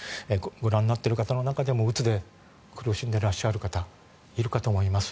ご覧になっている方の中でもうつで苦しんでいる方いるかと思います。